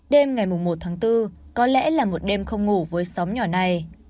đêm ngày một tháng bốn có lẽ là một đêm không ngủ với xóm nhỏ này